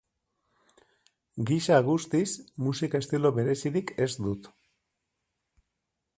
Gisa guztiz, musika estilo berezirik ez dut.